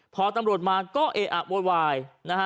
พอตำรวจมาก็เออะโวยวายนะฮะ